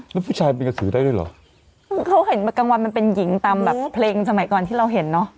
แล้วผู้ชายเป็นกระสือได้ด้วยเหรอเขาเห็นกลางวันมันเป็นหญิงตามแบบเพลงสมัยก่อนที่เราเห็นเนอะ